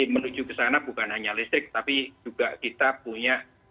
menuju ke sana bukan hanya listrik tapi juga kita punya